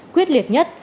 quyết liệt nhất